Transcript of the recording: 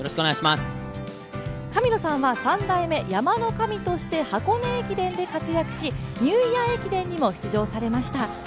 神野さんは３代目・山の神として箱根駅伝で活躍し、ニューイヤー駅伝にも出場されました。